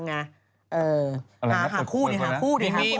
หาคู่ดิค่ะคู่ดิค่ะ